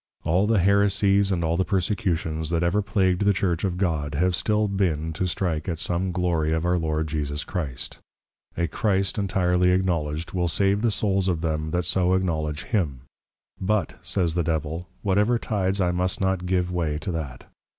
All the Heresies, and all the Persecutions, that ever plagued the Church of God, have still been, to strike at some Glory of our Lord Jesus Christ. A CHRIST Entirely Acknowledged, will save the Souls of them that so Acknowledge Him; but, says the Devil, _Whatever tides I must not give way to that.